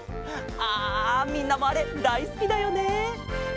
ああみんなもあれだいすきだよね？